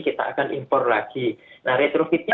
kita akan impor lagi nah retrofitnya